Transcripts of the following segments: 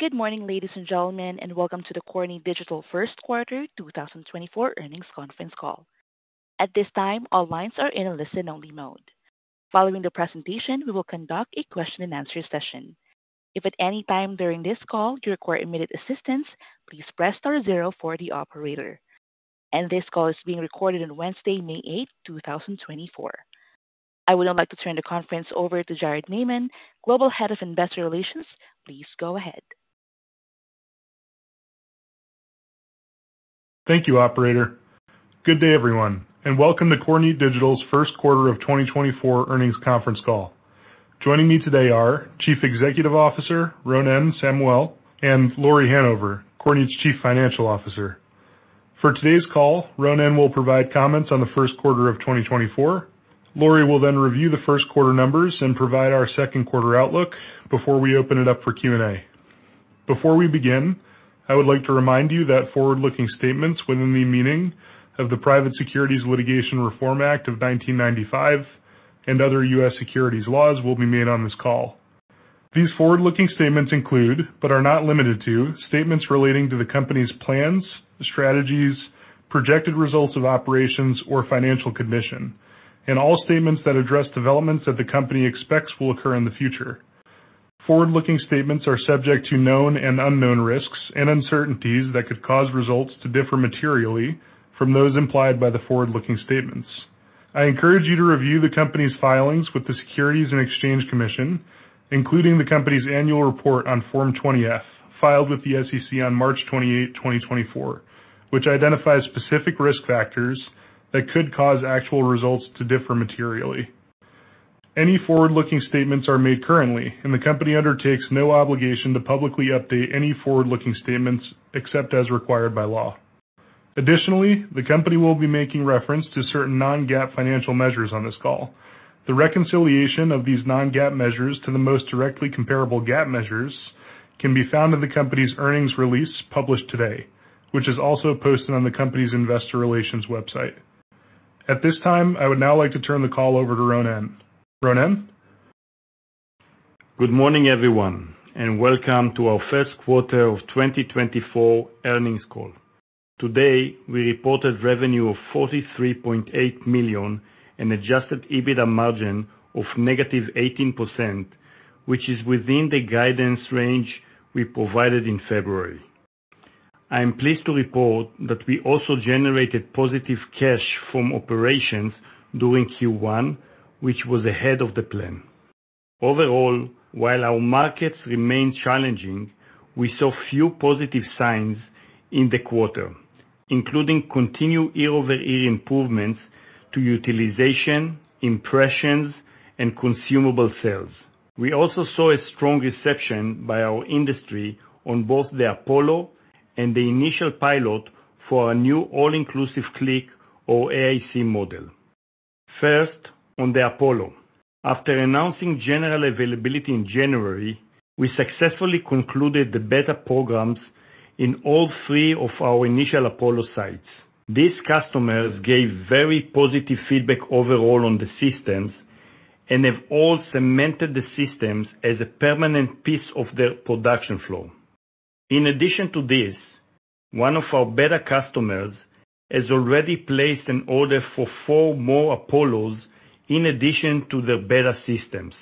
Good morning, ladies and gentlemen, and welcome to the Kornit Digital First Quarter 2024 earnings conference call. At this time, all lines are in a listen-only mode. Following the presentation, we will conduct a question-and-answer session. If at any time during this call you require immediate assistance, please press star 0 for the operator. This call is being recorded on Wednesday, May 8, 2024. I would now like to turn the conference over to Jared Maymon, Global Head of Investor Relations. Please go ahead. Thank you, Operator. Good day, everyone, and welcome to Kornit Digital's first quarter of 2024 earnings conference call. Joining me today are Chief Executive Officer Ronen Samuel and Lauri Hanover, Kornit's Chief Financial Officer. For today's call, Ronen will provide comments on the first quarter of 2024, Lauri will then review the first quarter numbers, and provide our second quarter outlook before we open it up for Q&A. Before we begin, I would like to remind you that forward-looking statements within the meaning of the Private Securities Litigation Reform Act of 1995 and other U.S. securities laws will be made on this call. These forward-looking statements include, but are not limited to, statements relating to the company's plans, strategies, projected results of operations, or financial condition, and all statements that address developments that the company expects will occur in the future. Forward-looking statements are subject to known and unknown risks and uncertainties that could cause results to differ materially from those implied by the forward-looking statements. I encourage you to review the company's filings with the Securities and Exchange Commission, including the company's annual report on Form 20-F filed with the SEC on March 28, 2024, which identifies specific risk factors that could cause actual results to differ materially. Any forward-looking statements are made currently, and the company undertakes no obligation to publicly update any forward-looking statements except as required by law. Additionally, the company will be making reference to certain non-GAAP financial measures on this call. The reconciliation of these non-GAAP measures to the most directly comparable GAAP measures can be found in the company's earnings release published today, which is also posted on the company's Investor Relations website. At this time, I would now like to turn the call over to Ronen. Ronen? Good morning, everyone, and welcome to our first quarter of 2024 earnings call. Today we reported revenue of $43.8 million and adjusted EBITDA margin of -18%, which is within the guidance range we provided in February. I am pleased to report that we also generated positive cash from operations during Q1, which was ahead of the plan. Overall, while our markets remain challenging, we saw few positive signs in the quarter, including continued year-over-year improvements to utilization, impressions, and consumable sales. We also saw a strong reception by our industry on both the Apollo and the initial pilot for our new All-Inclusive Click, or AIC, model. First, on the Apollo: after announcing general availability in January, we successfully concluded the beta programs in all three of our initial Apollo sites. These customers gave very positive feedback overall on the systems and have all cemented the systems as a permanent piece of their production flow. In addition to this, one of our beta customers has already placed an order for four more Apollos in addition to their beta systems,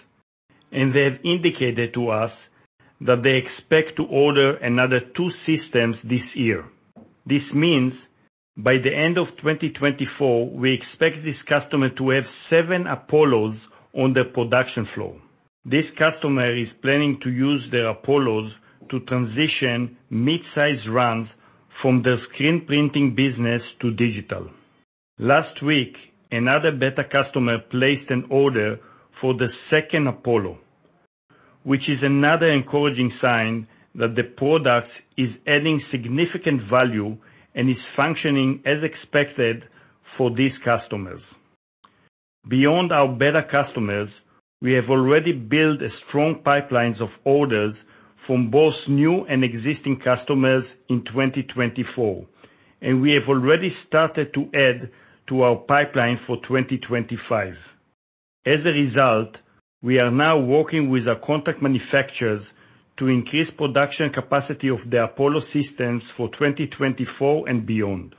and they have indicated to us that they expect to order another two systems this year. This means by the end of 2024 we expect this customer to have seven Apollos on their production flow. This customer is planning to use their Apollos to transition mid-size runs from their screen printing business to digital. Last week, another beta customer placed an order for the second Apollo, which is another encouraging sign that the product is adding significant value and is functioning as expected for these customers. Beyond our beta customers, we have already built strong pipelines of orders from both new and existing customers in 2024, and we have already started to add to our pipeline for 2025. As a result, we are now working with our contract manufacturers to increase production capacity of the Apollo systems for 2024 and beyond.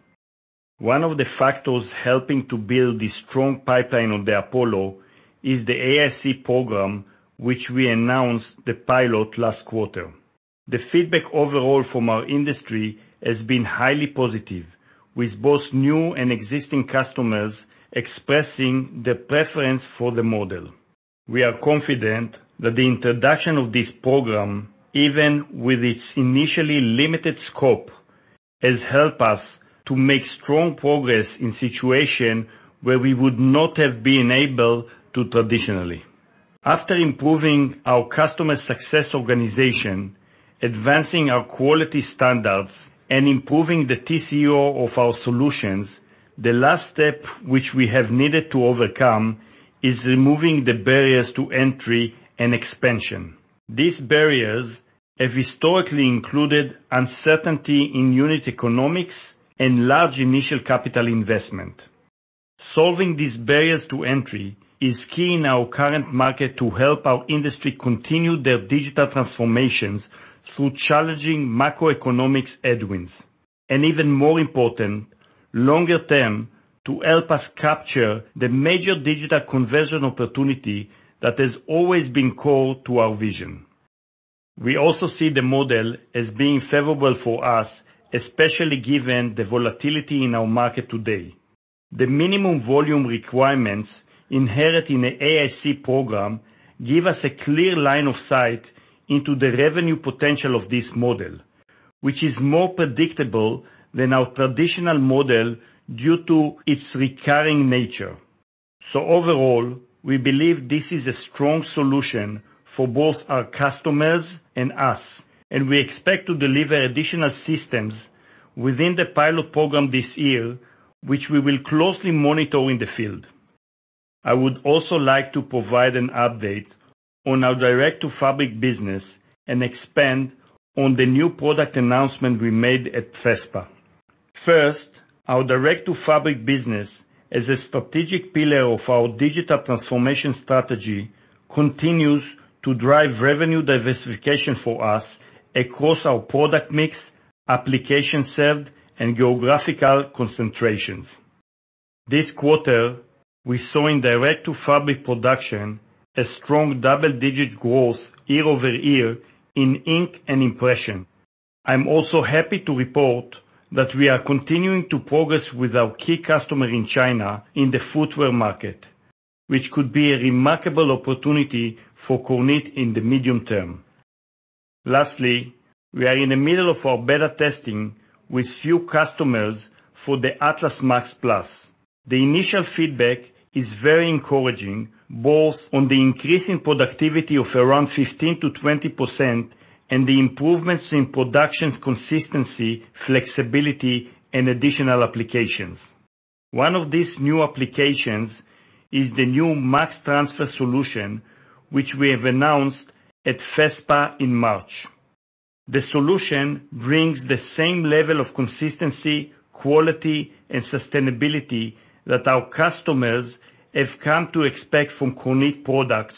One of the factors helping to build this strong pipeline on the Apollo is the AIC program, which we announced the pilot last quarter. The feedback overall from our industry has been highly positive, with both new and existing customers expressing their preference for the model. We are confident that the introduction of this program, even with its initially limited scope, has helped us to make strong progress in situations where we would not have been able to traditionally. After improving our customer success organization, advancing our quality standards, and improving the TCO of our solutions, the last step which we have needed to overcome is removing the barriers to entry and expansion. These barriers have historically included uncertainty in unit economics and large initial capital investment. Solving these barriers to entry is key in our current market to help our industry continue their digital transformations through challenging macroeconomic headwinds, and even more important, longer-term, to help us capture the major digital conversion opportunity that has always been central to our vision. We also see the model as being favorable for us, especially given the volatility in our market today. The minimum volume requirements inherent in the AIC program give us a clear line of sight into the revenue potential of this model, which is more predictable than our traditional model due to its recurring nature. So overall, we believe this is a strong solution for both our customers and us, and we expect to deliver additional systems within the pilot program this year, which we will closely monitor in the field. I would also like to provide an update on our direct-to-fabric business and expand on the new product announcement we made at FESPA. First, our direct-to-fabric business, as a strategic pillar of our digital transformation strategy, continues to drive revenue diversification for us across our product mix, application serve, and geographical concentrations. This quarter, we saw in direct-to-fabric production a strong double-digit growth year-over-year in ink and impression. I am also happy to report that we are continuing to progress with our key customer in China in the footwear market, which could be a remarkable opportunity for Kornit in the medium TAM. Lastly, we are in the middle of our beta testing with few customers for the Atlas MAX PLUS. The initial feedback is very encouraging, both on the increasing productivity of around 15%-20% and the improvements in production consistency, flexibility, and additional applications. One of these new applications is the new MAX Transfer solution, which we have announced at FESPA in March. The solution brings the same level of consistency, quality, and sustainability that our customers have come to expect from Kornit products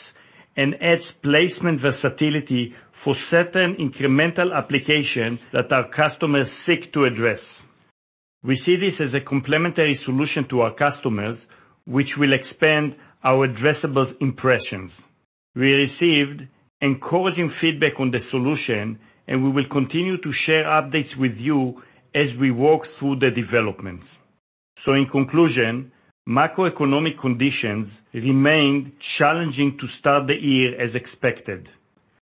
and adds placement versatility for certain incremental applications that our customers seek to address. We see this as a complementary solution to our customers, which will expand our addressable impressions. We received encouraging feedback on the solution, and we will continue to share updates with you as we work through the developments. So in conclusion, macroeconomic conditions remained challenging to start the year as expected.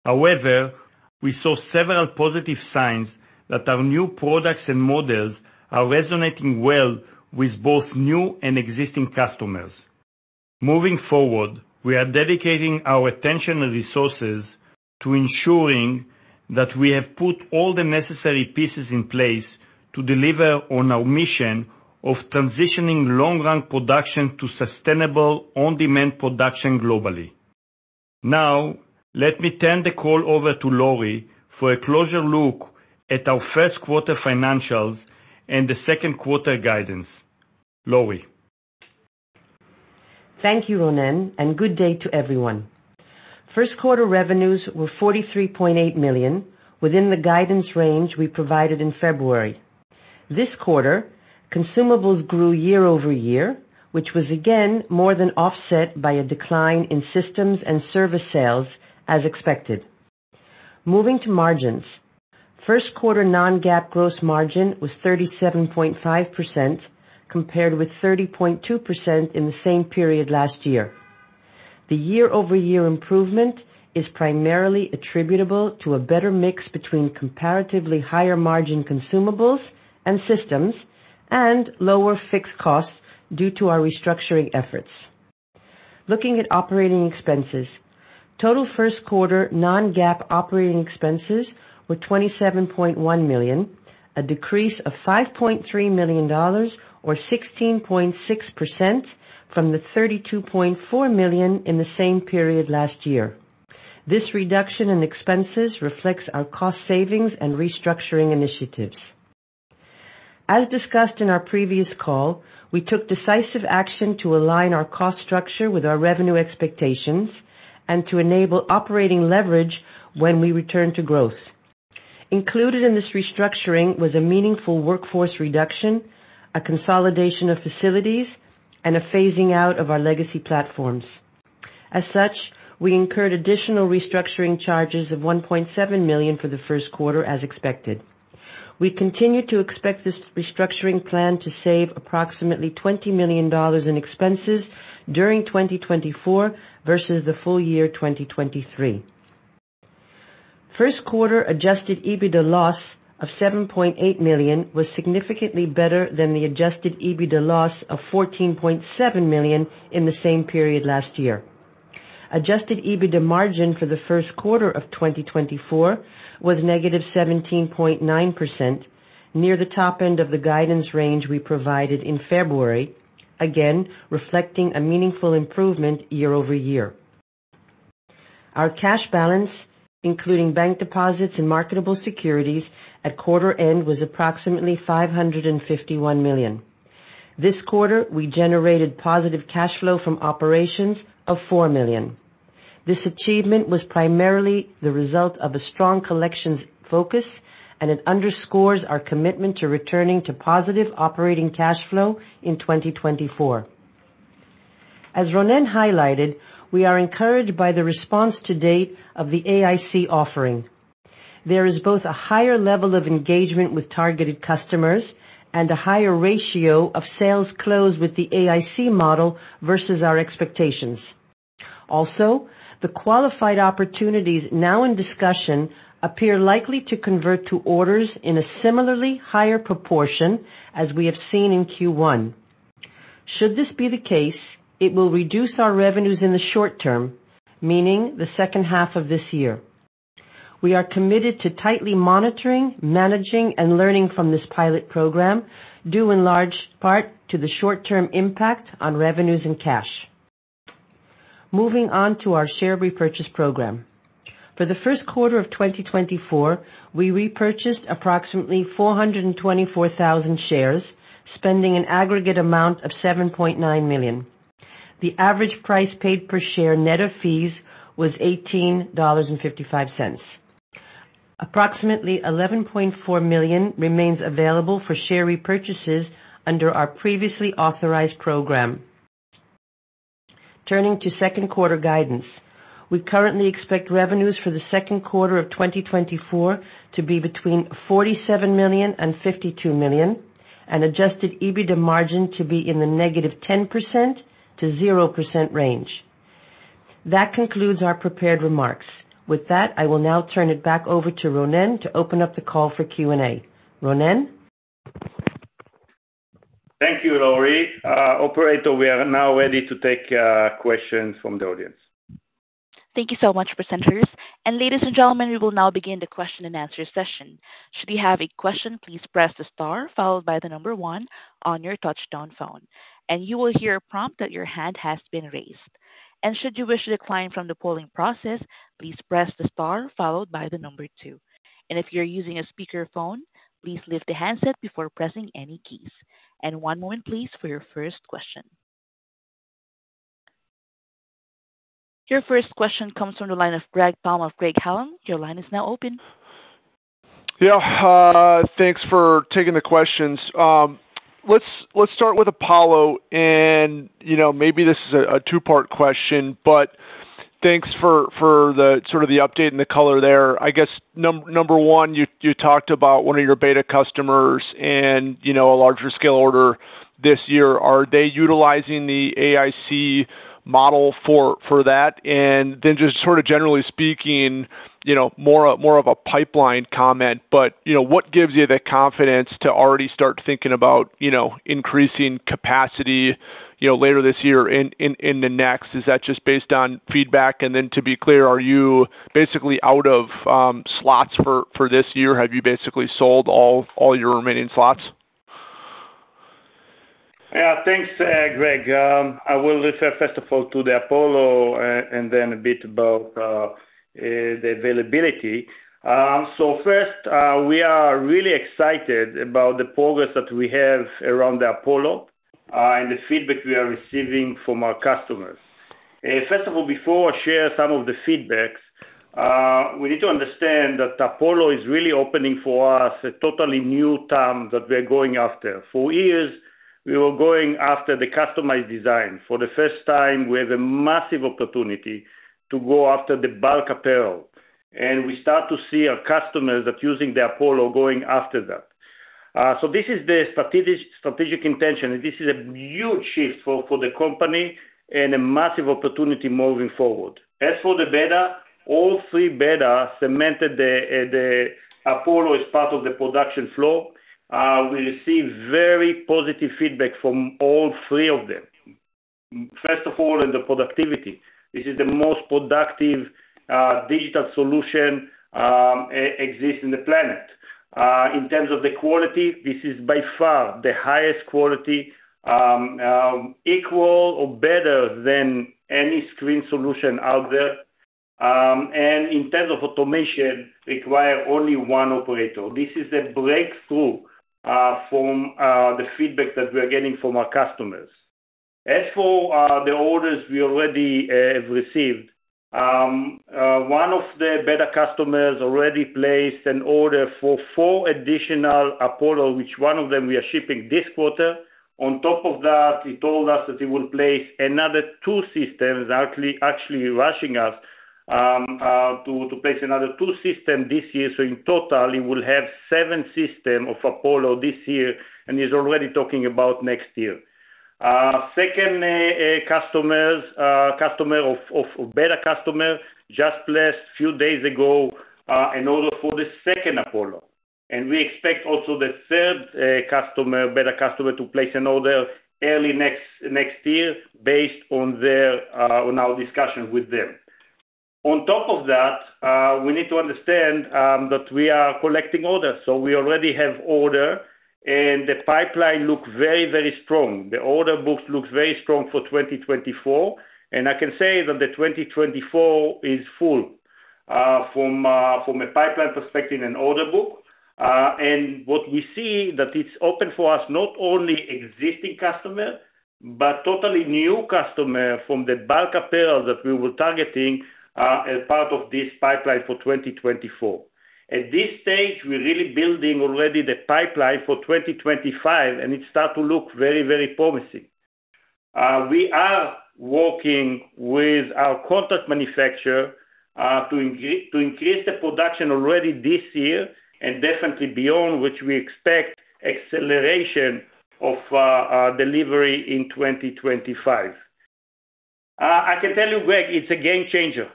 However, we saw several positive signs that our new products and models are resonating well with both new and existing customers. Moving forward, we are dedicating our attention and resources to ensuring that we have put all the necessary pieces in place to deliver on our mission of transitioning long-run production to sustainable on-demand production globally. Now, let me turn the call over to Lauri for a closer look at our first quarter financials and the second quarter guidance. Lauri. Thank you, Ronen, and good day to everyone. First quarter revenues were $43.8 million, within the guidance range we provided in February. This quarter, consumables grew year-over-year, which was again more than offset by a decline in systems and service sales as expected. Moving to margins: first quarter non-GAAP gross margin was 37.5% compared with 30.2% in the same period last year. The year-over-year improvement is primarily attributable to a better mix between comparatively higher margin consumables and systems and lower fixed costs due to our restructuring efforts. Looking at operating expenses: total first quarter non-GAAP operating expenses were $27.1 million, a decrease of $5.3 million or 16.6% from the $32.4 million in the same period last year. This reduction in expenses reflects our cost savings and restructuring initiatives. As discussed in our previous call, we took decisive action to align our cost structure with our revenue expectations and to enable operating leverage when we return to growth. Included in this restructuring was a meaningful workforce reduction, a consolidation of facilities, and a phasing out of our legacy platforms. As such, we incurred additional restructuring charges of $1.7 million for the first quarter as expected. We continue to expect this restructuring plan to save approximately $20 million in expenses during 2024 versus the full year 2023. First quarter adjusted EBITDA loss of $7.8 million was significantly better than the adjusted EBITDA loss of $14.7 million in the same period last year. Adjusted EBITDA margin for the first quarter of 2024 was -17.9%, near the top end of the guidance range we provided in February, again reflecting a meaningful improvement year-over-year. Our cash balance, including bank deposits and marketable securities, at quarter end was approximately $551 million. This quarter, we generated positive cash flow from operations of $4 million. This achievement was primarily the result of a strong collections focus, and it underscores our commitment to returning to positive operating cash flow in 2024. As Ronen highlighted, we are encouraged by the response to date of the AIC offering. There is both a higher level of engagement with targeted customers and a higher ratio of sales closed with the AIC model versus our expectations. Also, the qualified opportunities now in discussion appear likely to convert to orders in a similarly higher proportion as we have seen in Q1. Should this be the case, it will reduce our revenues in the short term, meaning the second half of this year. We are committed to tightly monitoring, managing, and learning from this pilot program, due in large part to the short-term impact on revenues and cash. Moving on to our share repurchase program: for the first quarter of 2024, we repurchased approximately 424,000 shares, spending an aggregate amount of $7.9 million. The average price paid per share net of fees was $18.55. Approximately $11.4 million remains available for share repurchases under our previously authorized program. Turning to second quarter guidance: we currently expect revenues for the second quarter of 2024 to be between $47 million and $52 million, and adjusted EBITDA margin to be in the -10%-0% range. That concludes our prepared remarks. With that, I will now turn it back over to Ronen to open up the call for Q&A. Ronen? Thank you, Lauri. Operator, we are now ready to take questions from the audience. Thank you so much, presenters. Ladies and gentlemen, we will now begin the question and answer session. Should you have a question, please press the star followed by the number one on your touch-tone phone, and you will hear a prompt that your hand has been raised. Should you wish to decline from the polling process, please press the star followed by the number two. If you're using a speakerphone, please lift the handset before pressing any keys. One moment, please, for your first question. Your first question comes from the line of Greg Palm. Your line is now open. Yeah. Thanks for taking the questions. Let's start with Apollo. And maybe this is a two-part question, but thanks for sort of the update and the color there. I guess, number one, you talked about one of your beta customers and a larger-scale order this year. Are they utilizing the AIC model for that? And then just sort of generally speaking, more of a pipeline comment, but what gives you the confidence to already start thinking about increasing capacity later this year and in the next? Is that just based on feedback? And then to be clear, are you basically out of slots for this year? Have you basically sold all your remaining slots? Yeah. Thanks, Greg. I will refer first of all to the Apollo and then a bit about the availability. So first, we are really excited about the progress that we have around the Apollo and the feedback we are receiving from our customers. First of all, before I share some of the feedbacks, we need to understand that Apollo is really opening for us a totally new term that we are going after. For years, we were going after the customized design. For the first time, we have a massive opportunity to go after the bulk apparel. And we start to see our customers that are using the Apollo going after that. So this is the strategic intention. This is a huge shift for the company and a massive opportunity moving forward. As for the beta, all three beta cemented the Apollo as part of the production flow. We receive very positive feedback from all three of them, first of all, in the productivity. This is the most productive digital solution that exists on the planet. In terms of the quality, this is by far the highest quality, equal or better than any screen solution out there. And in terms of automation, it requires only one operator. This is a breakthrough from the feedback that we are getting from our customers. As for the orders we already have received, one of the beta customers already placed an order for four additional Apollo, which one of them we are shipping this quarter. On top of that, he told us that he will place another two systems, actually rushing us to place another two systems this year. So in total, he will have seven systems of Apollo this year and is already talking about next year. Second customer, beta customer, just placed a few days ago an order for the second Apollo. We expect also the third beta customer to place an order early next year based on our discussion with them. On top of that, we need to understand that we are collecting orders. We already have orders, and the pipeline looks very, very strong. The order books look very strong for 2024. I can say that 2024 is full from a pipeline perspective and order book. What we see is that it's open for us not only existing customers but totally new customers from the bulk apparel that we were targeting as part of this pipeline for 2024. At this stage, we're really building already the pipeline for 2025, and it starts to look very, very promising. We are working with our contract manufacturer to increase the production already this year and definitely beyond, which we expect acceleration of delivery in 2025. I can tell you, Greg, it's a game changer.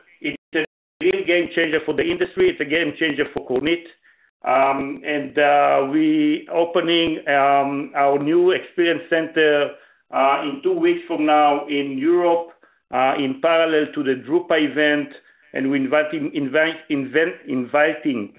It's a real game changer for the industry. It's a game changer for Kornit. We are opening our new experience center in two weeks from now in Europe in parallel to the Drupa event. We are inviting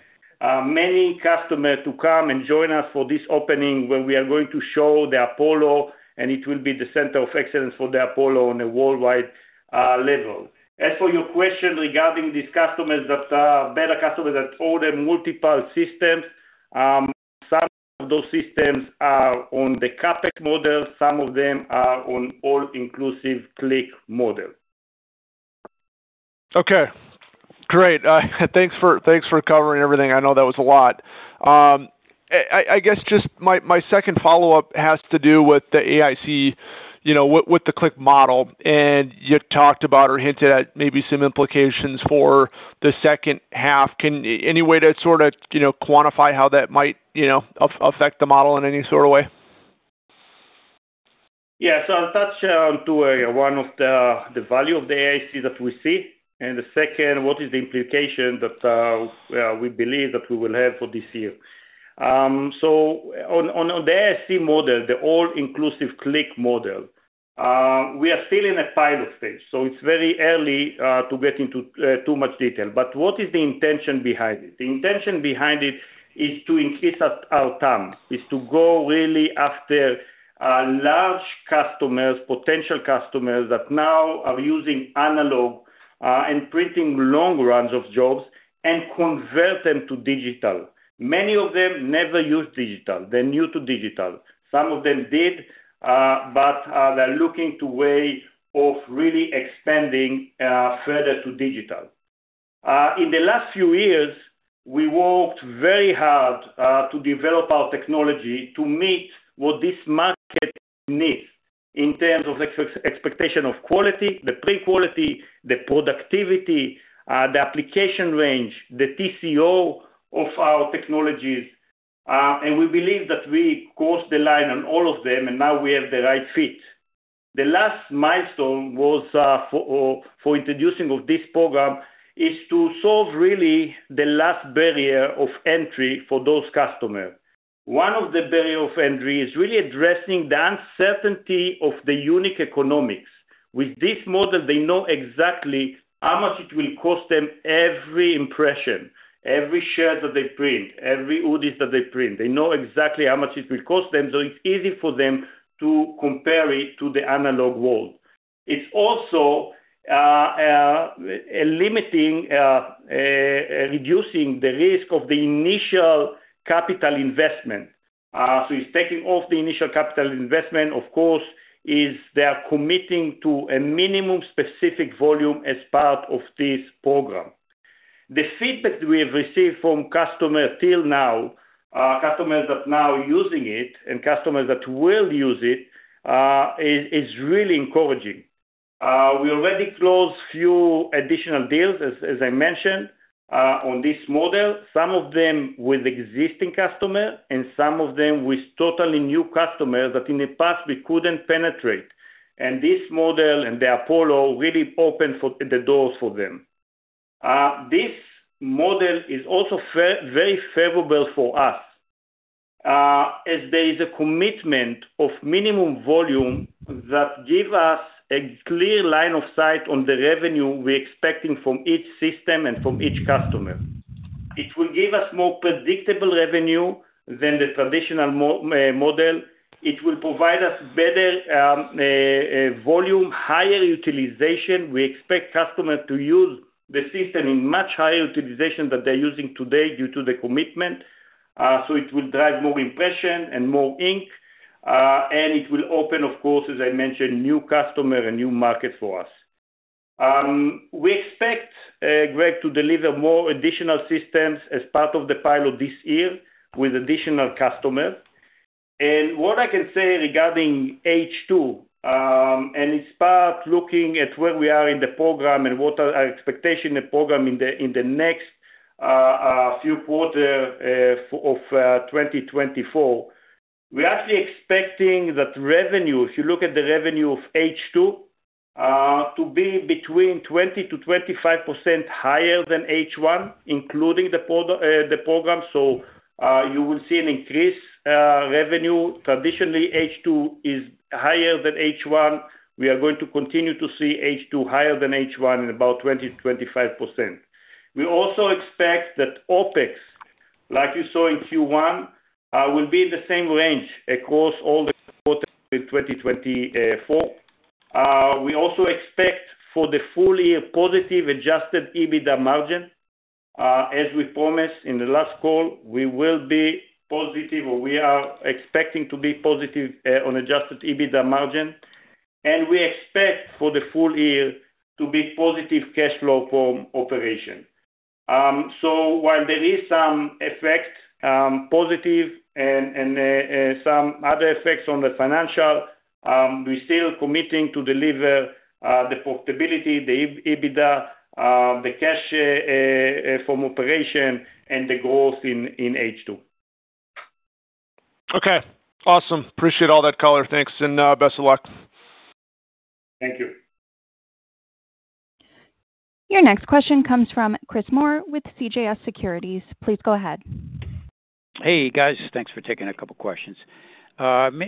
many customers to come and join us for this opening where we are going to show the Apollo, and it will be the center of excellence for the Apollo on a worldwide level. As for your question regarding these beta customers that order multiple systems, some of those systems are on the CapEx model. Some of them are on the All-Inclusive Click model. Okay. Great. Thanks for covering everything. I know that was a lot. I guess just my second follow-up has to do with the AIC, with the Click model. You talked about or hinted at maybe some implications for the second half. Can any way to sort of quantify how that might affect the model in any sort of way? Yeah. So I'll touch on two areas. One is the value of the AIC that we see. And the second, what is the implication that we believe that we will have for this year? So on the AIC model, the All-Inclusive Click model, we are still in a pilot stage. So it's very early to get into too much detail. But what is the intention behind it? The intention behind it is to increase our term, is to go really after large customers, potential customers that now are using analog and printing long runs of jobs and convert them to digital. Many of them never used digital. They're new to digital. Some of them did, but they're looking to a way of really expanding further to digital. In the last few years, we worked very hard to develop our technology to meet what this market needs in terms of expectation of quality, the print quality, the productivity, the application range, the TCO of our technologies. We believe that we crossed the line on all of them, and now we have the right fit. The last milestone for introducing this program is to solve really the last barrier of entry for those customers. One of the barriers of entry is really addressing the uncertainty of the unit economics. With this model, they know exactly how much it will cost them every impression, every shirt that they print, every hoodie that they print. They know exactly how much it will cost them, so it's easy for them to compare it to the analog world. It's also reducing the risk of the initial capital investment. So it's taking off the initial capital investment. Of course, they are committing to a minimum specific volume as part of this program. The feedback that we have received from customers till now, customers that are now using it and customers that will use it, is really encouraging. We already closed a few additional deals, as I mentioned, on this model, some of them with existing customers and some of them with totally new customers that in the past we couldn't penetrate. This model and the Apollo really opened the doors for them. This model is also very favorable for us as there is a commitment of minimum volume that gives us a clear line of sight on the revenue we're expecting from each system and from each customer. It will give us more predictable revenue than the traditional model. It will provide us better volume, higher utilization. We expect customers to use the system in much higher utilization than they're using today due to the commitment. So it will drive more impression and more ink. And it will open, of course, as I mentioned, new customers and new markets for us. We expect, Greg, to deliver more additional systems as part of the pilot this year with additional customers. And what I can say regarding H2, and it's part looking at where we are in the program and what our expectation in the program in the next few quarters of 2024, we are actually expecting that revenue, if you look at the revenue of H2, to be between 20%-25% higher than H1, including the program. So you will see an increase in revenue. Traditionally, H2 is higher than H1. We are going to continue to see H2 higher than H1 in about 20%-25%. We also expect that OpEx, like you saw in Q1, will be in the same range across all the quarters in 2024. We also expect for the full-year positive adjusted EBITDA margin. As we promised in the last call, we will be positive, or we are expecting to be positive on adjusted EBITDA margin. And we expect for the full year to be positive cash flow from operations. So while there is some effect, positive, and some other effects on the financials, we're still committing to deliver the profitability, the EBITDA, the cash from operations, and the growth in H2. Okay. Awesome. Appreciate all that color. Thanks. Best of luck. Thank you. Your next question comes from Chris Moore with CJS Securities. Please go ahead. Hey, guys. Thanks for taking a couple of questions.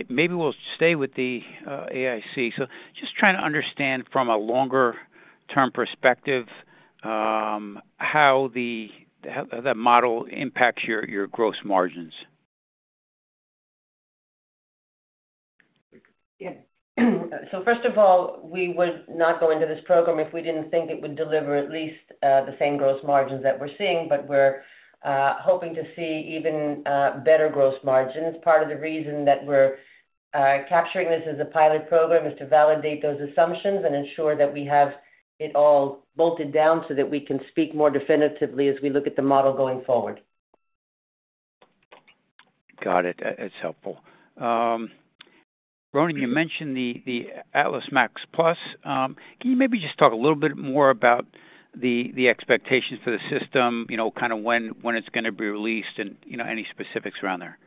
Maybe we'll stay with the AIC. So just trying to understand from a longer-term perspective how that model impacts your gross margins. Yeah. So first of all, we would not go into this program if we didn't think it would deliver at least the same gross margins that we're seeing. But we're hoping to see even better gross margins. Part of the reason that we're capturing this as a pilot program is to validate those assumptions and ensure that we have it all bolted down so that we can speak more definitively as we look at the model going forward. Got it. That's helpful. Ronen, you mentioned the Atlas MAX PLUS. Can you maybe just talk a little bit more about the expectations for the system, kind of when it's going to be released, and any specifics around there?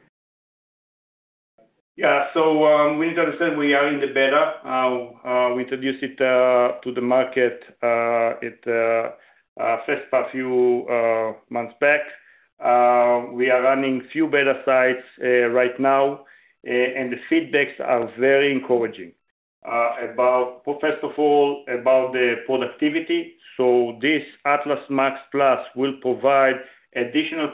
Yeah. So we need to understand we are in the beta. We introduced it to the market at FESPA a few months back. We are running a few beta sites right now, and the feedbacks are very encouraging first of all, about the productivity. So this Atlas MAX PLUS will provide additional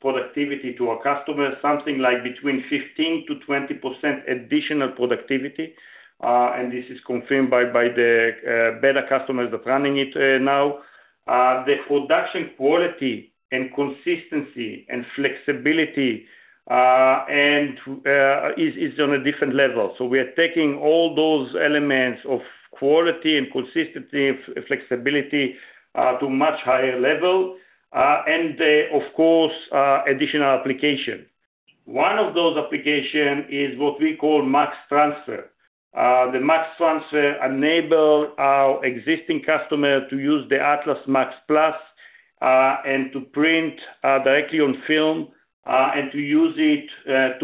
productivity to our customers, something like between 15%-20% additional productivity. And this is confirmed by the beta customers that are running it now. The production quality and consistency and flexibility is on a different level. So we are taking all those elements of quality and consistency and flexibility to a much higher level. And of course, additional application. One of those applications is what we call MAX Transfer. The MAX Transfer enables our existing customers to use the Atlas MAX PLUS and to print directly on film and to use it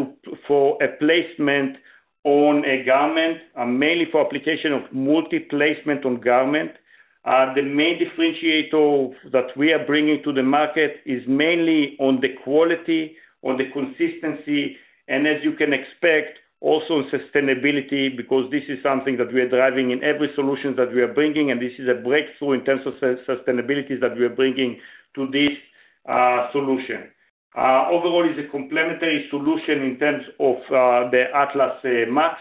for a placement on a garment, mainly for application of multi-placement on garment. The main differentiator that we are bringing to the market is mainly on the quality, on the consistency, and as you can expect, also on sustainability because this is something that we are driving in every solution that we are bringing. This is a breakthrough in terms of sustainability that we are bringing to this solution. Overall, it's a complementary solution in terms of the Atlas MAX.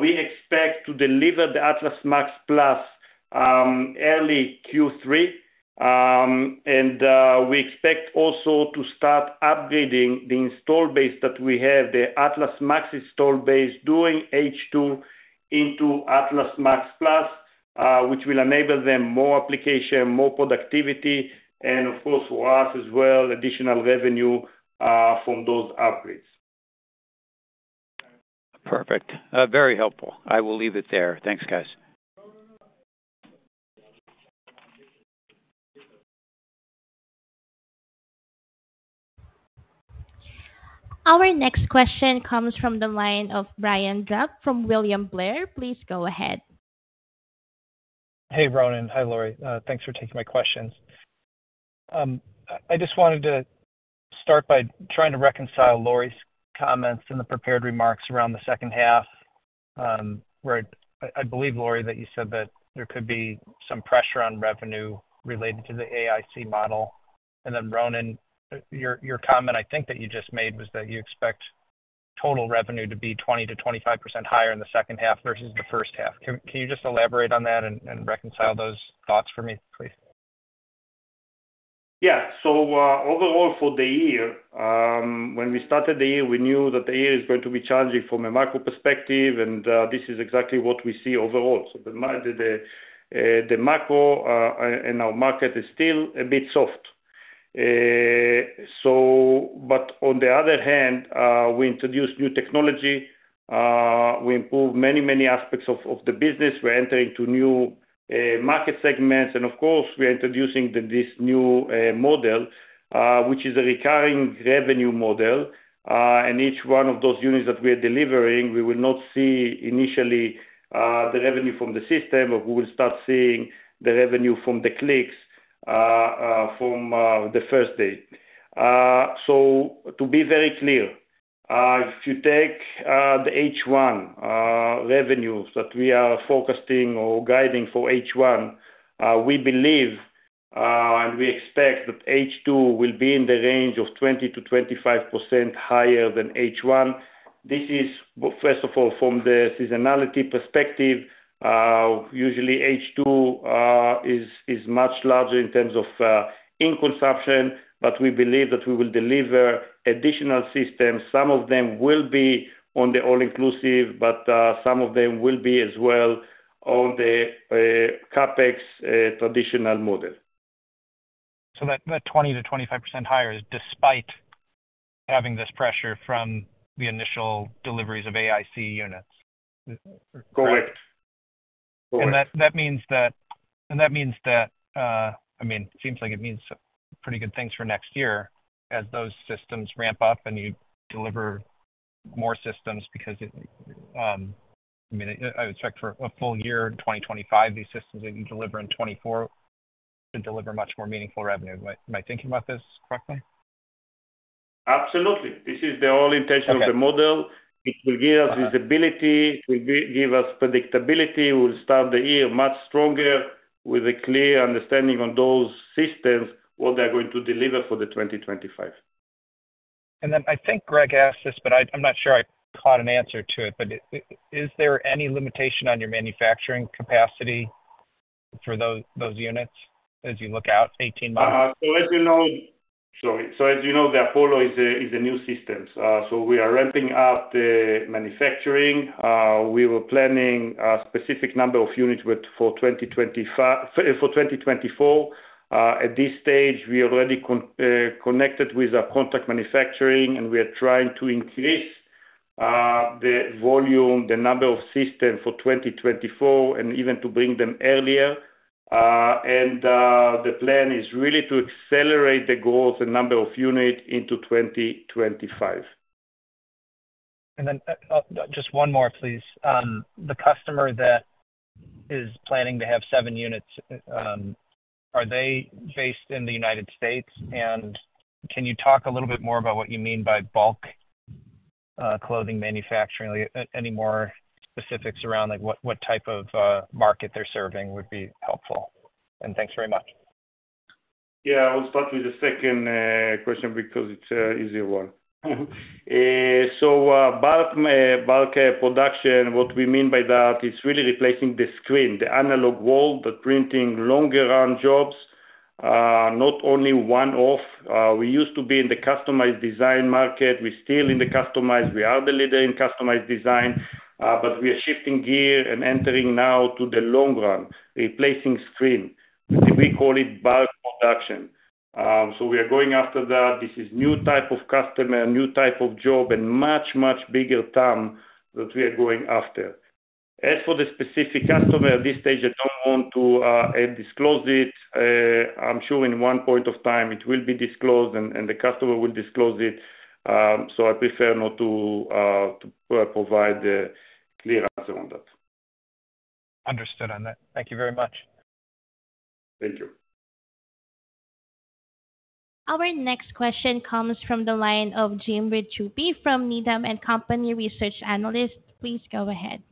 We expect to deliver the Atlas MAX PLUS early Q3. We expect also to start upgrading the install base that we have, the Atlas MAX install base, in H2 to Atlas MAX PLUS, which will enable them more application, more productivity, and of course, for us as well, additional revenue from those upgrades. Perfect. Very helpful. I will leave it there. Thanks, guys. Our next question comes from the line of Brian Drab from William Blair. Please go ahead. Hey, Ronen. Hi, Lauri. Thanks for taking my questions. I just wanted to start by trying to reconcile Lauri's comments and the prepared remarks around the second half. I believe, Lauri, that you said that there could be some pressure on revenue related to the AIC model. And then, Ronen, your comment, I think that you just made, was that you expect total revenue to be 20%-25% higher in the second half versus the first half. Can you just elaborate on that and reconcile those thoughts for me, please? Yeah. So overall, for the year, when we started the year, we knew that the year is going to be challenging from a macro perspective. This is exactly what we see overall. The macro in our market is still a bit soft. On the other hand, we introduced new technology. We improved many, many aspects of the business. We're entering into new market segments. Of course, we are introducing this new model, which is a recurring revenue model. Each one of those units that we are delivering, we will not see initially the revenue from the system, but we will start seeing the revenue from the clicks from the first day. So, to be very clear, if you take the H1 revenues that we are focusing or guiding for H1, we believe and we expect that H2 will be in the range of 20%-25% higher than H1. This is, first of all, from the seasonality perspective. Usually, H2 is much larger in terms of ink consumption. But we believe that we will deliver additional systems. Some of them will be on the all-inclusive, but some of them will be as well on the CapEx traditional model. So that 20%-25% higher is despite having this pressure from the initial deliveries of AIC units. Correct. Correct. And that means that, I mean, it seems like it means pretty good things for next year as those systems ramp up and you deliver more systems because, I mean, I would expect for a full year in 2025, these systems that you deliver in 2024 to deliver much more meaningful revenue. Am I thinking about this correctly? Absolutely. This is the whole intention of the model. It will give us visibility. It will give us predictability. We'll start the year much stronger with a clear understanding on those systems, what they're going to deliver for the 2025. Then I think Greg asked this, but I'm not sure I caught an answer to it. Is there any limitation on your manufacturing capacity for those units as you look out 18 months? So as you know, the Apollo is a new system. So we are ramping up the manufacturing. We were planning a specific number of units for 2024. At this stage, we already connected with our contract manufacturing, and we are trying to increase the volume, the number of systems for 2024, and even to bring them earlier. And the plan is really to accelerate the growth and number of units into 2025. And then just one more, please. The customer that is planning to have 7 units, are they based in the United States? And can you talk a little bit more about what you mean by bulk clothing manufacturing? Any more specifics around what type of market they're serving would be helpful. And thanks very much. Yeah. I will start with the second question because it's an easier one. So bulk production, what we mean by that, it's really replacing the screen, the analog wall, the printing longer-run jobs, not only one-off. We used to be in the customized design market. We're still in the customized. We are the leader in customized design. But we are shifting gear and entering now to the long run, replacing screen. We call it bulk production. So we are going after that. This is a new type of customer, new type of job, and much, much bigger term that we are going after. As for the specific customer, at this stage, I don't want to disclose it. I'm sure in one point of time, it will be disclosed, and the customer will disclose it. So I prefer not to provide a clear answer on that. Understood on that. Thank you very much. Thank you. Our next question comes from the line of Jim Ricchiuti from Needham & Company Research Analyst. Please go ahead.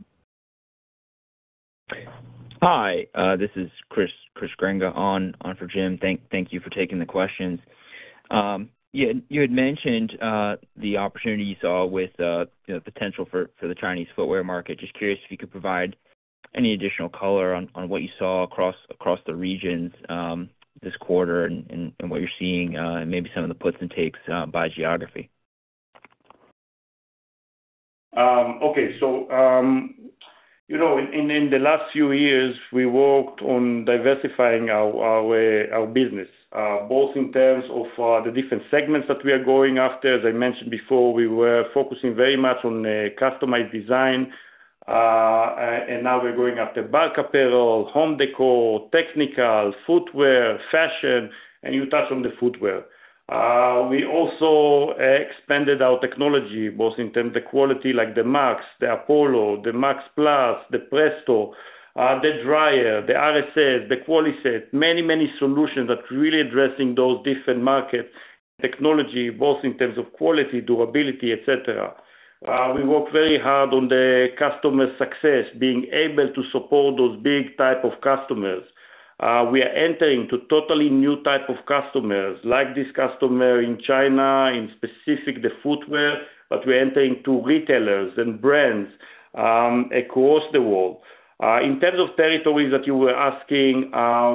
Hi. This is Chris Grenga on for Jim. Thank you for taking the questions. Yeah. You had mentioned the opportunity you saw with the potential for the Chinese footwear market. Just curious if you could provide any additional color on what you saw across the regions this quarter and what you're seeing, and maybe some of the puts and takes by geography? Okay. In the last few years, we worked on diversifying our business, both in terms of the different segments that we are going after. As I mentioned before, we were focusing very much on customized design. Now we're going after bulk apparel, home décor, technical, footwear, fashion, and you touched on the footwear. We also expanded our technology, both in terms of the quality like the MAX, the Apollo, the MAX PLUS, the Presto, the dryer, the RSS, the QualiSet, many, many solutions that are really addressing those different markets and technology, both in terms of quality, durability, etc. We work very hard on the customer success, being able to support those big type of customers. We are entering into totally new type of customers like this customer in China, in specific the footwear, but we're entering to retailers and brands across the world. In terms of territories that you were asking,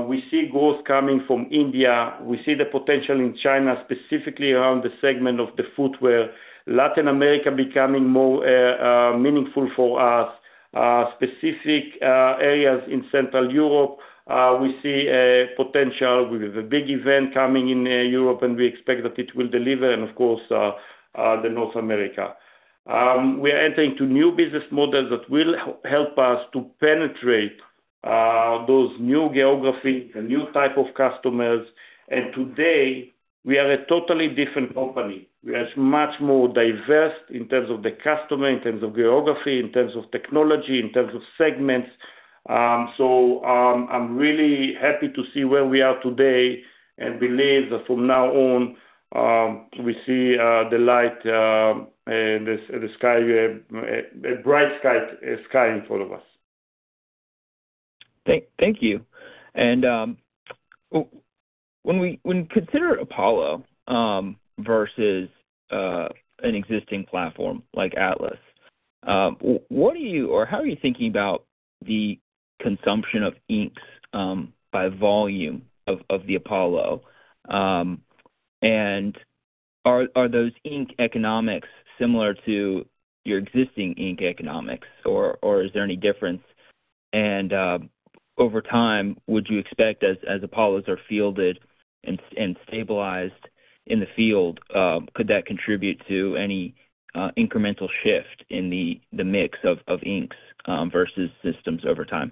we see growth coming from India. We see the potential in China, specifically around the segment of the footwear, Latin America becoming more meaningful for us, specific areas in Central Europe. We see potential. We have a big event coming in Europe, and we expect that it will deliver, and of course, the North America. We are entering into new business models that will help us to penetrate those new geographies, the new type of customers. And today, we are a totally different company. We are much more diverse in terms of the customer, in terms of geography, in terms of technology, in terms of segments. So I'm really happy to see where we are today and believe that from now on, we see the light and the sky, a bright sky in front of us. Thank you. And when we consider Apollo versus an existing platform like Atlas, what do you or how are you thinking about the consumption of inks by volume of the Apollo? And are those ink economics similar to your existing ink economics, or is there any difference? And over time, would you expect, as Apollos are fielded and stabilized in the field, could that contribute to any incremental shift in the mix of inks versus systems over time?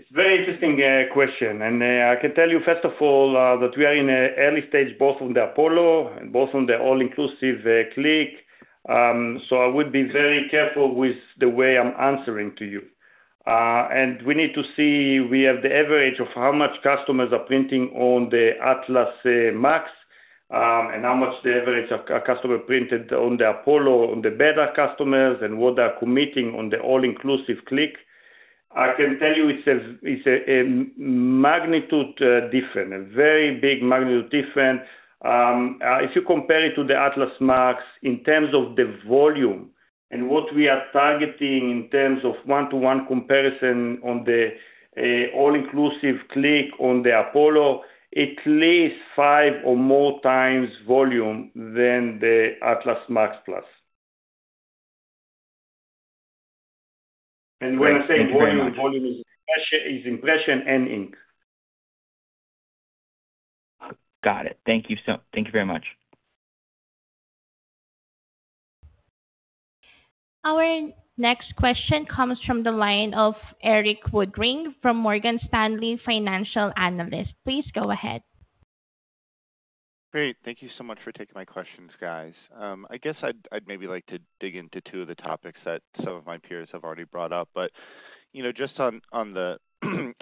It's a very interesting question. I can tell you, first of all, that we are in an early stage, both on the Apollo and both on the All-Inclusive Click. I would be very careful with the way I'm answering to you. We need to see we have the average of how much customers are printing on the Atlas MAX and how much the average customer printed on the Apollo, on the beta customers, and what they're committing on the All-Inclusive Click. I can tell you it's a magnitude different, a very big magnitude different. If you compare it to the Atlas MAX, in terms of the volume and what we are targeting in terms of one-to-one comparison on the All-Inclusive Click on the Apollo, at least five or more times volume than the Atlas MAX PLUS. When I say volume, volume is impression and ink. Got it. Thank you very much. Our next question comes from the line of Erik Woodring from Morgan Stanley, financial analyst. Please go ahead. Great. Thank you so much for taking my questions, guys. I guess I'd maybe like to dig into two of the topics that some of my peers have already brought up. But just on the kind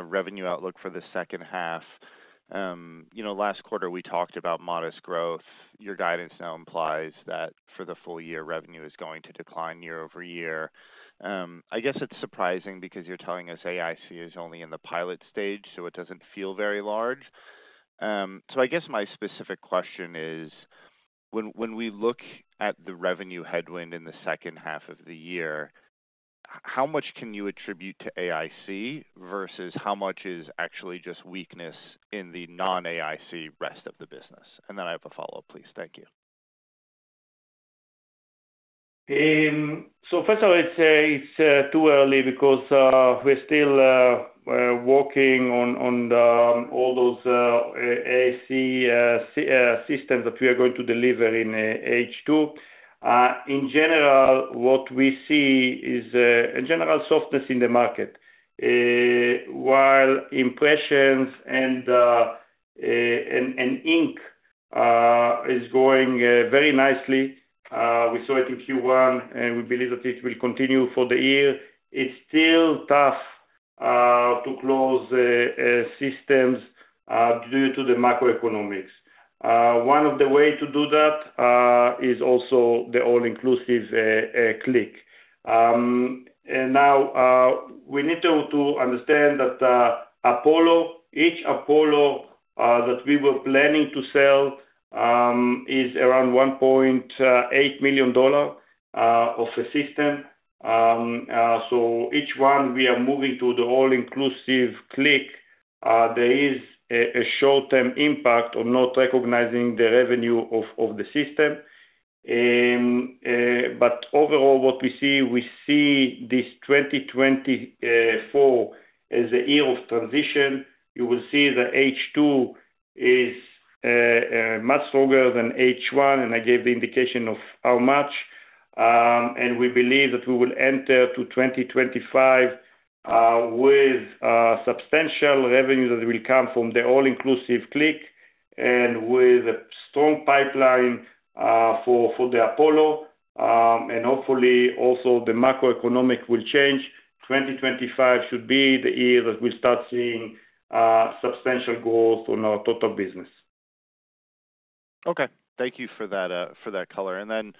of revenue outlook for the second half, last quarter, we talked about modest growth. Your guidance now implies that for the full year, revenue is going to decline year-over-year. I guess it's surprising because you're telling us AIC is only in the pilot stage, so it doesn't feel very large. So I guess my specific question is, when we look at the revenue headwind in the second half of the year, how much can you attribute to AIC versus how much is actually just weakness in the non-AIC rest of the business? And then I have a follow-up, please. Thank you. So first of all, it's too early because we're still working on all those AIC systems that we are going to deliver in H2. In general, what we see is, in general, softness in the market. While impressions and ink are going very nicely, we saw it in Q1, and we believe that it will continue for the year, it's still tough to close systems due to the macroeconomics. One of the ways to do that is also the All-Inclusive Click. And now, we need to understand that each Apollo that we were planning to sell is around $1.8 million of a system. So each one we are moving to the All-Inclusive Click, there is a short-term impact on not recognizing the revenue of the system. But overall, what we see, we see this 2024 as a year of transition. You will see the H2 is much stronger than H1, and I gave the indication of how much. And we believe that we will enter to 2025 with substantial revenue that will come from the All-Inclusive Click and with a strong pipeline for the Apollo. And hopefully, also, the macroeconomic will change. 2025 should be the year that we'll start seeing substantial growth on our total business. Okay. Thank you for that color. And then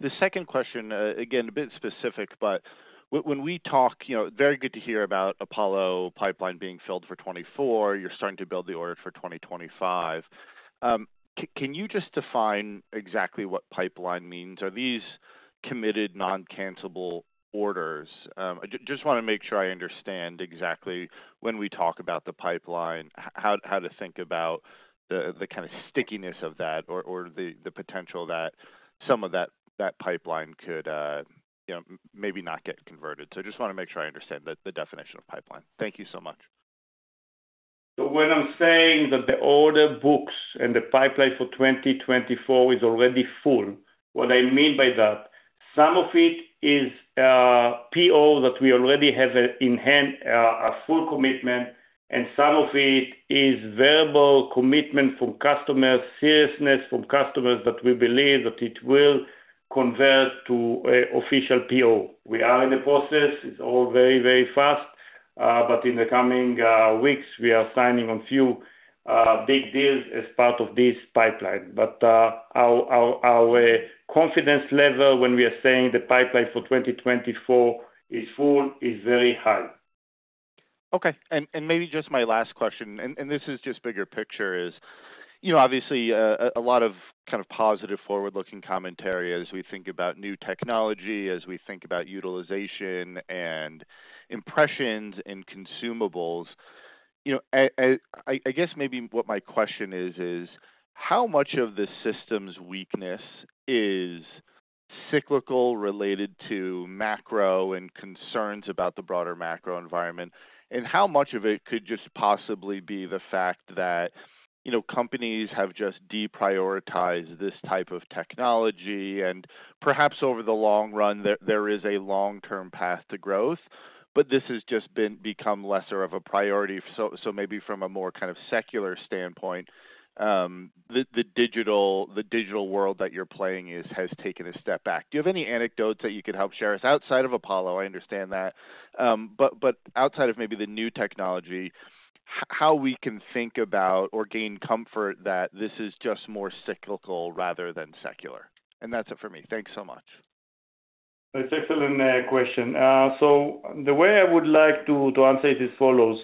the second question, again, a bit specific, but when we talk it's very good to hear about Apollo pipeline being filled for 2024. You're starting to build the order for 2025. Can you just define exactly what pipeline means? Are these committed, non-cancelable orders? I just want to make sure I understand exactly when we talk about the pipeline, how to think about the kind of stickiness of that or the potential that some of that pipeline could maybe not get converted. So I just want to make sure I understand the definition of pipeline. Thank you so much. So when I'm saying the order books and the pipeline for 2024 is already full, what I mean by that, some of it is PO that we already have in hand, a full commitment, and some of it is verbal commitment from customers, seriousness from customers that we believe that it will convert to official PO. We are in the process. It's all very, very fast. But in the coming weeks, we are signing on a few big deals as part of this pipeline. But our confidence level when we are saying the pipeline for 2024 is full is very high. Okay. And maybe just my last question, and this is just bigger picture, is obviously a lot of kind of positive forward-looking commentary as we think about new technology, as we think about utilization and impressions and consumables. I guess maybe what my question is, is how much of the system's weakness is cyclical related to macro and concerns about the broader macro environment? And how much of it could just possibly be the fact that companies have just deprioritized this type of technology? And perhaps over the long run, there is a long-term path to growth, but this has just become lesser of a priority. So maybe from a more kind of secular standpoint, the digital world that you're playing in has taken a step back. Do you have any anecdotes that you could help share with us outside of Apollo? I understand that. Outside of maybe the new technology, how we can think about or gain comfort that this is just more cyclical rather than secular? That's it for me. Thanks so much. That's an excellent question. So the way I would like to answer it is as follows.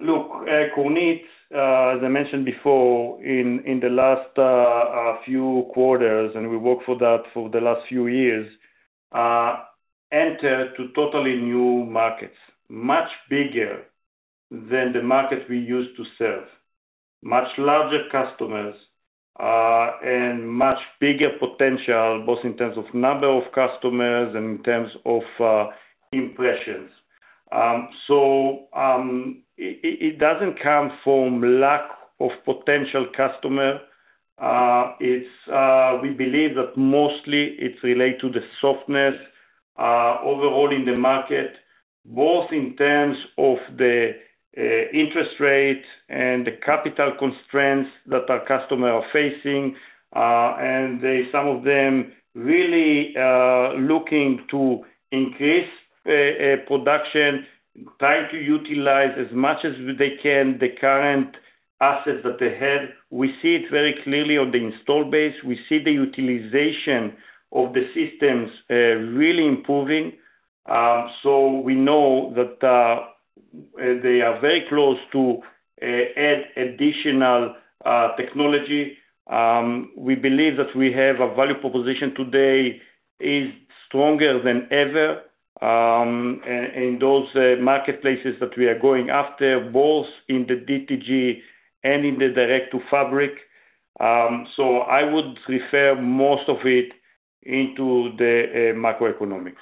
Look, Kornit, as I mentioned before, in the last few quarters, and we worked for that for the last few years, entered into totally new markets, much bigger than the market we used to serve, much larger customers, and much bigger potential, both in terms of number of customers and in terms of impressions. So it doesn't come from lack of potential customer. We believe that mostly, it's related to the softness overall in the market, both in terms of the interest rate and the capital constraints that our customers are facing. And some of them really looking to increase production, trying to utilize as much as they can the current assets that they have. We see it very clearly on the install base. We see the utilization of the systems really improving. We know that they are very close to adding additional technology. We believe that we have a value proposition today that is stronger than ever in those marketplaces that we are going after, both in the DTG and in the direct-to-fabric. I would refer most of it into the macroeconomics.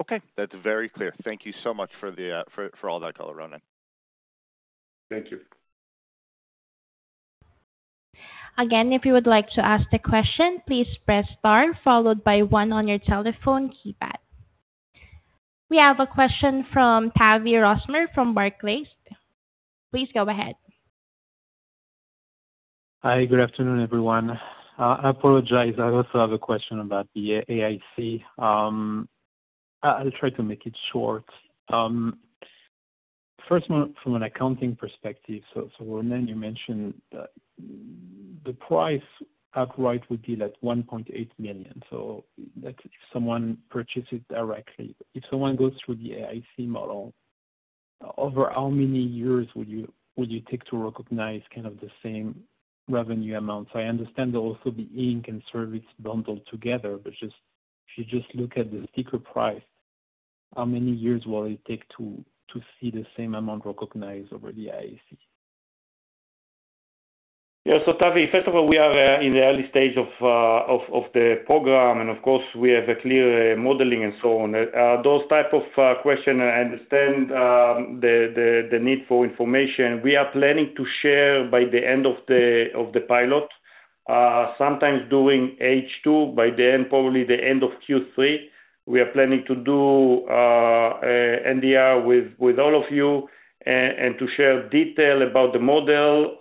Okay. That's very clear. Thank you so much for all that color, Ronen. Thank you. Again, if you would like to ask the question, please press star followed by one on your telephone keypad. We have a question from Tavy Rosner from Barclays. Please go ahead. Hi. Good afternoon, everyone. I apologize. I also have a question about the AIC. I'll try to make it short. First, from an accounting perspective, so Ronen, you mentioned the price outright would be at $1.8 million. So if someone purchases directly, if someone goes through the AIC model, over how many years would you take to recognize kind of the same revenue amount? So I understand also the ink and service bundled together, but if you just look at the sticker price, how many years will it take to see the same amount recognized over the AIC? Yeah. So Tavy, first of all, we are in the early stage of the program, and of course, we have clear modeling and so on. Those types of questions, I understand the need for information. We are planning to share by the end of the pilot, sometimes during H2, probably the end of Q3. We are planning to do NDR with all of you and to share detail about the model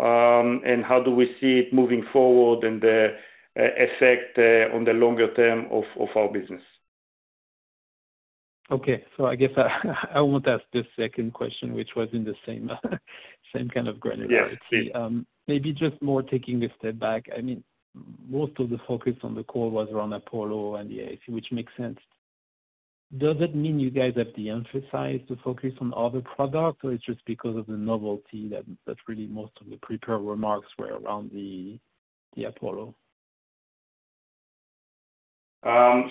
and how do we see it moving forward and the effect on the longer term of our business. Okay. So I guess I want to ask this second question, which was in the same kind of granularity. Maybe just more taking a step back. I mean, most of the focus on the call was around Apollo and the AIC, which makes sense. Does it mean you guys have emphasized the focus on other products, or it's just because of the novelty that really most of the prepared remarks were around the Apollo?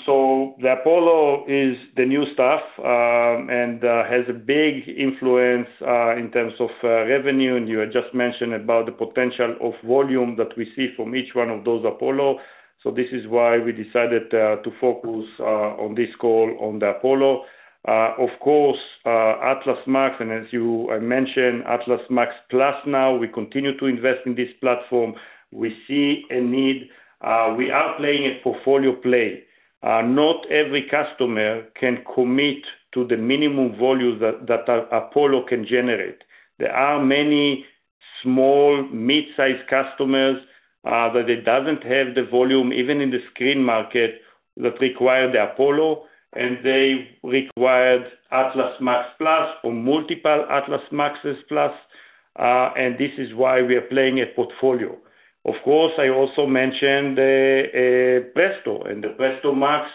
So the Apollo is the new stuff and has a big influence in terms of revenue. And you had just mentioned about the potential of volume that we see from each one of those Apollo. So this is why we decided to focus on this call on the Apollo. Of course, Atlas MAX, and as you mentioned, Atlas MAX PLUS now, we continue to invest in this platform. We see a need. We are playing a portfolio play. Not every customer can commit to the minimum volume that Apollo can generate. There are many small, mid-sized customers that doesn't have the volume, even in the screen market, that require the Apollo, and they required Atlas MAX PLUS or multiple Atlas MAXes PLUS. And this is why we are playing a portfolio. Of course, I also mentioned Presto, and the Presto MAX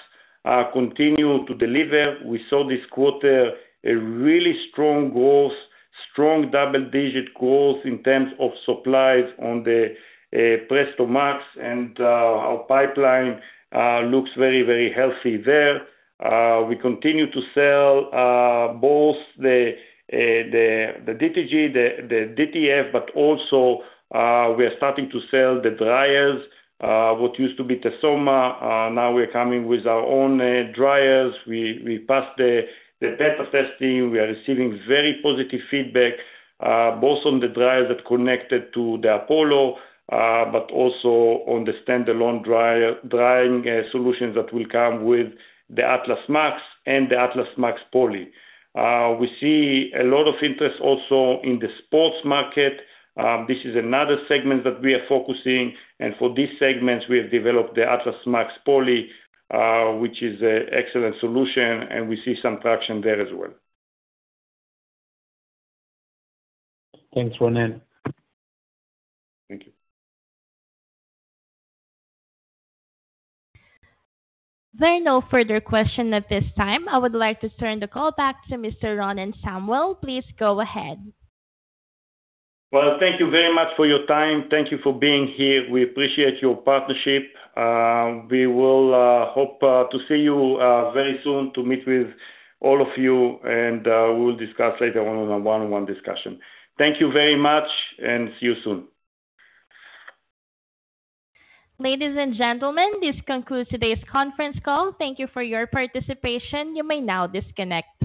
continues to deliver. We saw this quarter a really strong growth, strong double-digit growth in terms of supplies on the Presto MAX, and our pipeline looks very, very healthy there. We continue to sell both the DTG, the DTF, but also we are starting to sell the dryers, what used to be Tesoma. Now we are coming with our own dryers. We passed the beta testing. We are receiving very positive feedback, both on the dryers that connected to the Apollo but also on the standalone drying solutions that will come with the Atlas MAX and the Atlas MAX Poly. We see a lot of interest also in the sports market. This is another segment that we are focusing. And for these segments, we have developed the Atlas MAX Poly, which is an excellent solution, and we see some traction there as well. Thanks, Ronen. Thank you. There are no further questions at this time. I would like to turn the call back to Mr. Ronen Samuel. Please go ahead. Well, thank you very much for your time. Thank you for being here. We appreciate your partnership. We will hope to see you very soon, to meet with all of you, and we will discuss later on in a one-on-one discussion. Thank you very much, and see you soon. Ladies and gentlemen, this concludes today's conference call. Thank you for your participation. You may now disconnect.